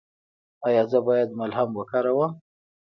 ایا زه باید ملهم وکاروم؟